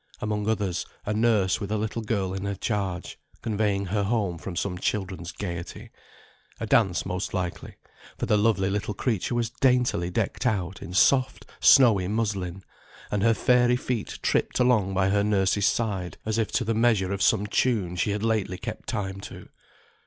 Among others, a nurse with a little girl in her charge, conveying her home from some children's gaiety; a dance most likely, for the lovely little creature was daintily decked out in soft, snowy muslin; and her fairy feet tripped along by her nurse's side as if to the measure of some tune she had lately kept time to.